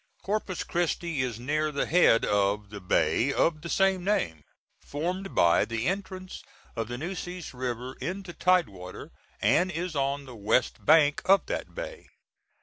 Corpus Christi is near the head of the bay of the same name, formed by the entrance of the Nueces River into tide water, and is on the west bank of that bay.